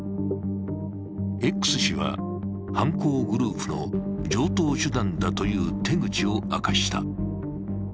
Ｘ氏は犯行グループの常套手段だという手口を明かした。